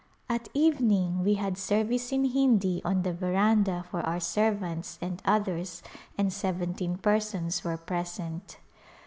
At evening we had service in Hindi on the veranda for our servants and others and seventeen persons were present.